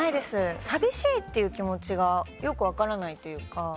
寂しいっていう気持ちがよく分からないというか。